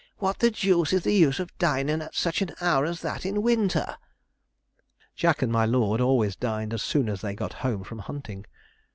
'What the deuce is the use of dinin' at such an hour as that in winter?' Jack and my lord always dined as soon as they got home from hunting.